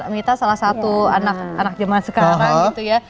mita salah satu anak anak zaman sekarang gitu ya